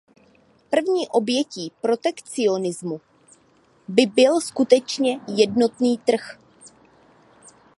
První obětí protekcionismu by byl skutečně jednotný trh.